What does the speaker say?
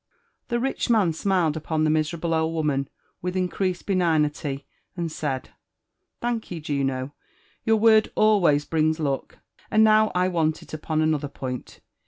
The rich man smiled upon the miserable old woman with increased henigm'ty, and said —Thankye, Juno— your word always brings luck, and now I wapt it^tyi anolher point.